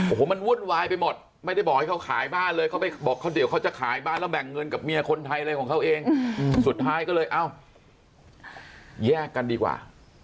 โอ้โหมันวุ่นวายไปหมดไม่ได้บอกให้เขาขายบ้านเลยเขาไปบอกเขาเดี๋ยวเขาจะขายบ้านแล้วแบ่งเงินกับเมียคนไทยอะไรของเขาเองสุดท้ายก็เลยเอ้าแยกกันดีกว่า